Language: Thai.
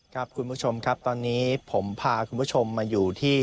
ครับคุณผู้ชมครับตอนนี้ผมพาคุณผู้ชมมาอยู่ที่